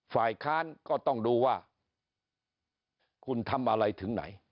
ฝ่ายค้านก็ต้องดูว่าคุณทำอะไรถึงไหน